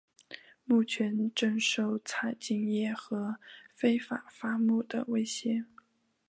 目前正受采金业和非法伐木的威胁。